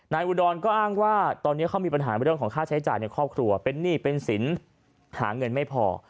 อุดรก็อ้างว่าตอนนี้เขามีปัญหาเรื่องของค่าใช้จ่ายในครอบครัวเป็นหนี้เป็นสินหาเงินไม่พอ